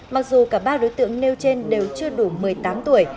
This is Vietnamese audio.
mặc dù cả ba đối tượng nêu trên đều chưa đủ một mươi tám tuổi